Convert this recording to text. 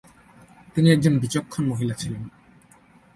তিনি একজন বিচক্ষণ মহিলা ছিলেন।